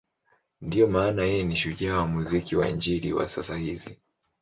Ndiyo maana yeye ni shujaa wa muziki wa Injili wa sasa hizi.